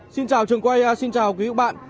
xin chào trường quay xin chào quý vị và các bạn